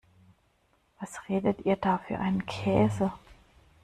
Was redet ihr da für einen Käse?